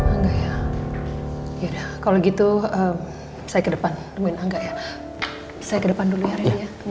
angga ya ya udah kalau gitu saya ke depan temuin angga ya saya ke depan dulu ya ria